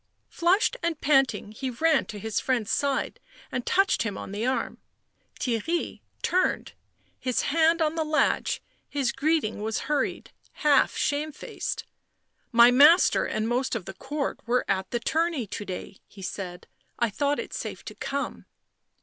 Flushed and panting, he ran to his friend's side and touched him on the arm. Theirry turned, his hand on the latch ; his greeting was hurried, half shamefaced. " My master and most of the Court were at the tourney to day," he said. " I thought it safe to come."